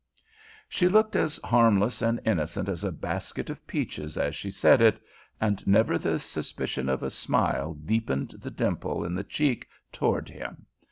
She looked as harmless and innocent as a basket of peaches as she said it, and never the suspicion of a smile deepened the dimple in the cheek toward him.